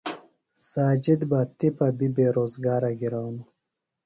ساجد بہ تِپہ بیۡ بے روزگارہ گِرانوۡ۔